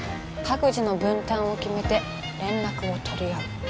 各自の分担を決めて連絡を取り合う。